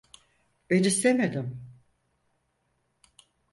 Ben istemedim.